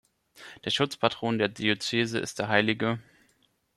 Der Schutzpatron der Diözese ist der Hl.